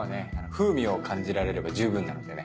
風味を感じられれば十分なのでね。